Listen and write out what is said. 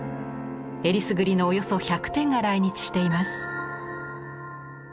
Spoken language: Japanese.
えりすぐりのおよそ１００点が来日しています。